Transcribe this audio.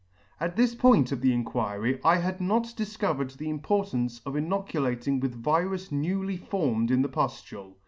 * At this period of the Inquiry, I had not difcovered the importance of inocu lating with virus newly formed in the puftule.